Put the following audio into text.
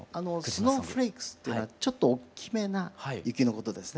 スノーフレークスっていうのはちょっとおっきめな雪のことですね。